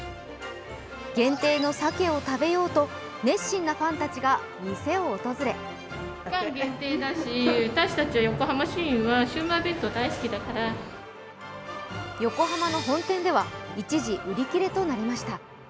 限定の鮭を食べようと熱心なファンたちが店を訪れ横浜の本店では一時売り切れとなりました。